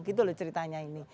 gitu loh ceritanya ini